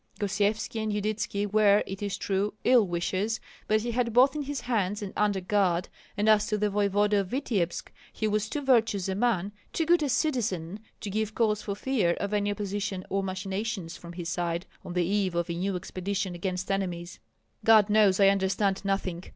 Gosyevski and Yudytski were, it is true, ill wishers, but he had both in his hands and under guard, and as to the voevoda of Vityebsk he was too virtuous a man, too good a citizen to give cause for fear of any opposition or machinations from his side on the eve of a new expedition against enemies. "God knows I understand nothing!"